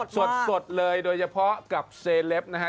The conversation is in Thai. สดสดอย่าเพราะแบบกับเซเลฟนะฮะ